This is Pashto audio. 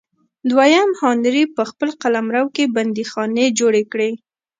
دویم هانري په خپل قلمرو کې بندیخانې جوړې کړې.